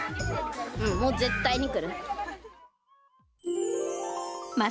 もう絶対に来る。